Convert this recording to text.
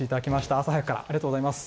朝早くから、ありがとうございます。